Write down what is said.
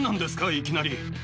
いきなり。